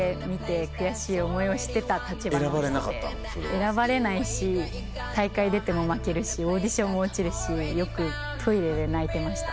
選ばれないし大会出ても負けるしオーディションも落ちるしよくトイレで泣いてました。